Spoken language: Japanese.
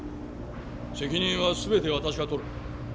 責任は全て私が取る。